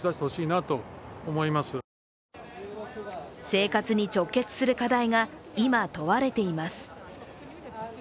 生活に直結する課題が今、問われています。